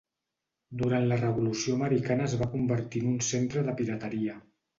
Durant la Revolució Americana es va convertir en un centre de pirateria.